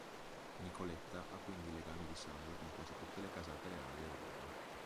Nicoletta ha quindi legami di sangue con quasi tutte le casate reali d'Europa.